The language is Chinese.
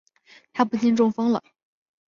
她不幸中风了